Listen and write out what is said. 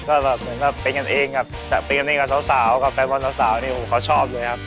ก็แบบเป็นกันเองกับสาวกับแฟนมอนด์สาวเนี่ยผมเขาชอบด้วยครับ